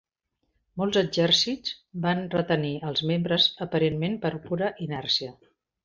Molts exèrcits van retenir els membres aparentment per pura inèrcia.